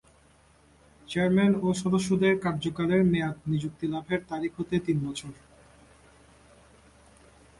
Chairman ও সদস্যদের কার্যকালের মেয়াদ নিযুক্তি লাভের তারিখ হতে তিন বছর।